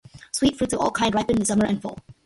Sweet fruits of all kind ripened in the summer and fall.